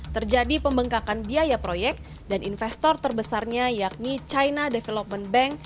terjadi pembengkakan biaya proyek dan investor terbesarnya yakni china development bank